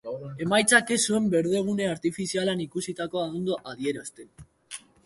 Emaitzak ez zuen berdegune artifizialan ikusitakoa ondo adierazten.